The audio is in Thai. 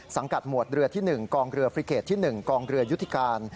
สังกัดหมวดเรือที่๑กองเรือฟริเกตที่๑กองเรือยุทธิการ